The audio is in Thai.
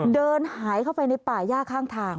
เดินหายไปหายเดินในป่าย่ากข้างทาง